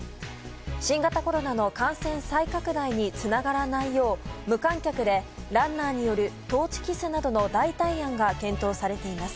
新型コロナの感染再拡大につながらないよう無観客で、ランナーによるトーチキスなどの代替案が検討されています。